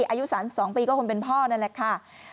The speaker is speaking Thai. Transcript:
อายุ๓๒ปีก็คงเป็นพ่อนั่นแหละค่ะ